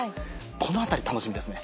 このあたり楽しみですね。